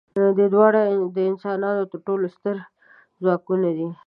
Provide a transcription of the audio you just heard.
دا دواړه د انسان تر ټولو ستر ځواکونه دي.